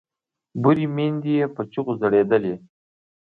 بورې میندې یې په چیغو ژړېدلې